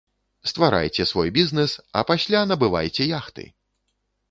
Стварайце свой бізнэс, а пасля набывайце яхты!